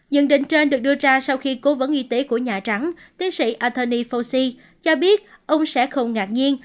nhận định trên được đưa ra sau khi cố vấn y tế của nhà trắng tiến sĩ anthony fauci cho biết ông sẽ không ngạc nhiên